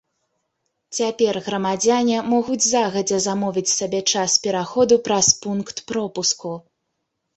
Цяпер грамадзяне могуць загадзя замовіць сабе час пераходу праз пункт пропуску.